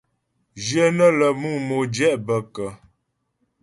Jyə nə́ lə mú modjɛ' bə kə́ ?